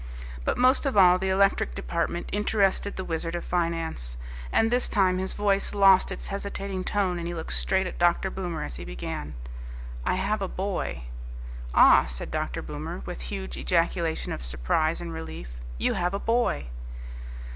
But most of all, the electric department interested the Wizard of Finance. And this time his voice lost its hesitating tone and he looked straight at Dr. Boomer as he began, "I have a boy " "Ah!" said Dr. Boomer, with a huge ejaculation of surprise and relief; "you have a boy!"